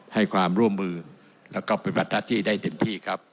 ให้ความร่วมมือแล้วก็เป็นปัจจิได้เต็มที่ครับ